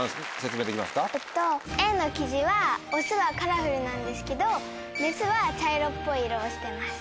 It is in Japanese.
Ａのキジはオスはカラフルなんですけどメスは茶色っぽい色をしてます。